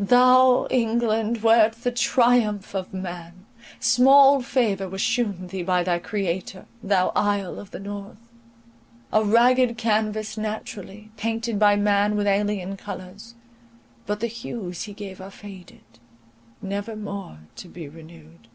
Thou, England, wert the triumph of man! Small favour was shewn thee by thy Creator, thou Isle of the North; a ragged canvas naturally, painted by man with alien colours; but the hues he gave are faded, never more to be renewed.